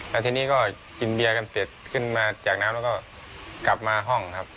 แล้วทีนี้ก็กินเบียร์กันเสร็จขึ้นมาจากน้ำแล้วก็กลับมาห้องครับ